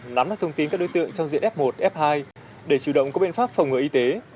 nắm được thông tin các đối tượng trong diện f một f hai để chủ động có biện pháp phòng ngừa y tế